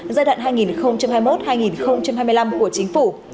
giai đoạn hai nghìn hai mươi một hai nghìn hai mươi năm của chính phủ